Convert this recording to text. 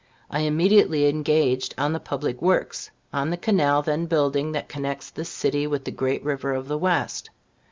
I immediately engaged on the public works, on the canal then building that connects this city with the great river of the West.